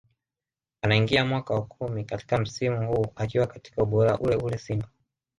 Anaingia mwaka wa kumi katika msimu huu akiwa katika ubora ule ule Simba